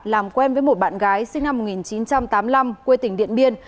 làm quen với một bạn gái sinh năm một nghìn chín trăm tám mươi năm quê tỉnh điện biên